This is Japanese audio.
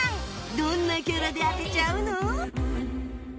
どんなキャラで当てちゃうの？